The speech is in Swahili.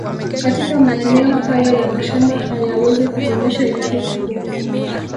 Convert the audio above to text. Katika maeneo hayo ya mashamba hayawezi kudumisha idadi kubwa